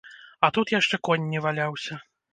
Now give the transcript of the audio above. А тут яшчэ конь не валяўся.